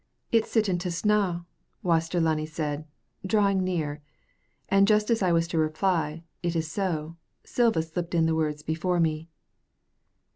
"It's sitting to snaw," Waster Lunny said, drawing near, and just as I was to reply, "It is so," Silva slipped in the words before me.